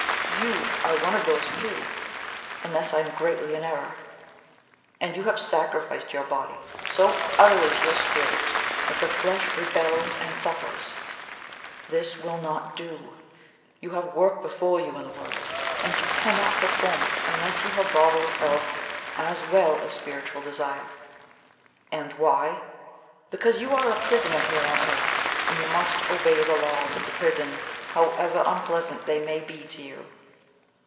YOU are one of those few, unless I am greatly in error. And you have sacrificed your body so utterly to your spirit that the flesh rebels and suffers. This will not do. You have work before you in the world, and you cannot perform it unless you have bodily health as well as spiritual desire. And why? Because you are a prisoner here on earth, and you must obey the laws of the prison, however unpleasant they may be to you.